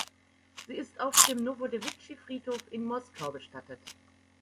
Sie ist auf dem Nowodewitschi-Friedhof in Moskau bestattet.